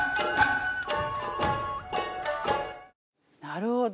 なるほど。